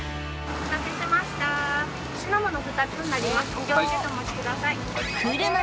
お気をつけてお持ちください